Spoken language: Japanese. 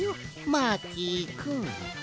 マーキーくん。